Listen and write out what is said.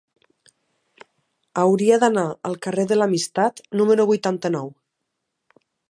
Hauria d'anar al carrer de l'Amistat número vuitanta-nou.